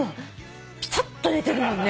ぴたっと寝てるもんね。